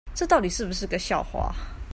這到底是不是個笑話